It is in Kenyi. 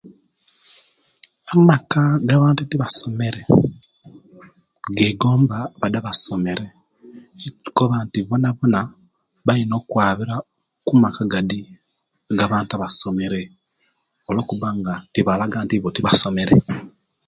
Amaka gabantu gibatasomere gegomba badi abasomere kubanti bonabona bayina okwabira ku maka gadi gabantu abasomere oluwokubanga nga tibalaga nti ibo tibasomere